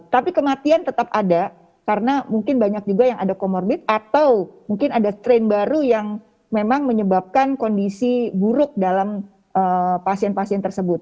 tapi kematian tetap ada karena mungkin banyak juga yang ada comorbid atau mungkin ada strain baru yang memang menyebabkan kondisi buruk dalam pasien pasien tersebut